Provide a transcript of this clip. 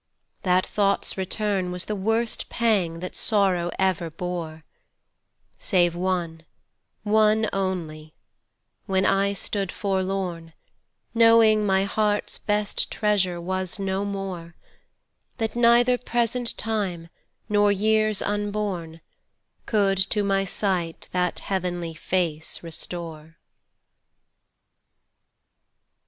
That thought's return Was the worst pang that sorrow ever bore, 10 Save one, one only, when I stood forlorn, Knowing my heart's best treasure was no more; That neither present time, nor years unborn Could to my sight that heavenly face restore.